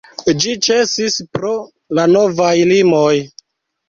Ĝi ĉesis pro la novaj limoj.